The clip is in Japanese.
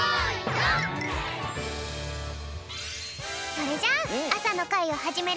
それじゃああさのかいをはじめるぴょん！